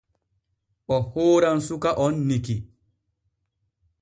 O hooran suka on Niki.